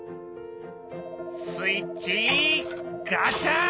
スイッチガチャ！